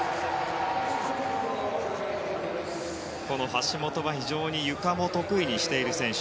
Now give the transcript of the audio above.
橋本は非常にゆかも得意にしている選手。